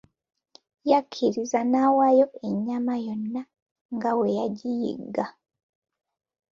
Yakkiriza nawaayo ennyama yonna nga bwe yagiyigga.